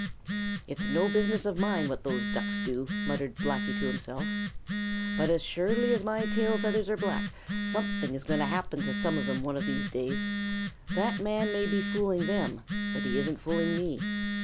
"It is no business of mine what those Ducks do," muttered Blacky to himself, "but as surely as my tail feathers are black, something is going to happen to some of them one of these days. That man may be fooling them, but he isn't fooling me.